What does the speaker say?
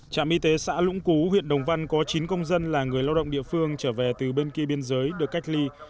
trạm y tế xã lũng cú huyện đồng văn có chín công dân là người lao động địa phương trở về từ bên kia biên giới được cách ly